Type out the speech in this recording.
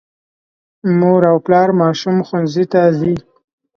مور او پلار ماشوم ښوونځي ته ځي.